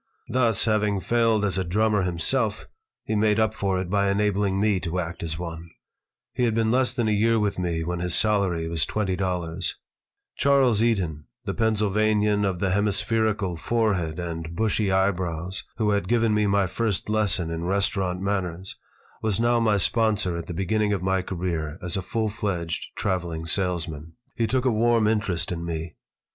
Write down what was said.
Thus, having failed as a drummer himself, he made up for it by enabling me to act as one He had been less than a year with me when his salary was twenty dollars Charles Eaton, the Pennsylvanian of the hemispherical forehead and bushy eyebrows who had given me my first lesson in restaurant manners, was now my sponsor at the beginning of my career as a full fledged traveling salesman. He took a warm interest in me.